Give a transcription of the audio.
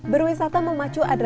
berwisata memacu adresa